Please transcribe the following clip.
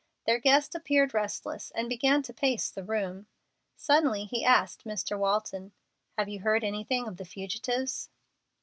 Their guest appeared restless and began to pace the room. Suddenly he asked Mr. Walton, "Have you heard anything of the fugitives?"